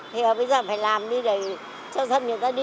thì bây giờ phải làm đi để cho dân người ta đi